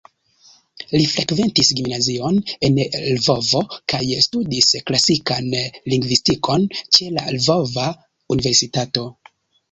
Li frekventis gimnazion en Lvovo kaj studis klasikan lingvistikon ĉe la Lvova Universitato.